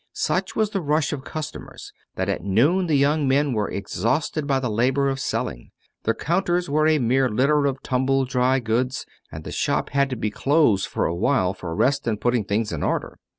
Such was the rush of customers that at noon the young men were exhausted by the labor of selling; the counters were a mere litter of tumbled dry goods; and the shop had to be closed for a while for rest and putting things in order.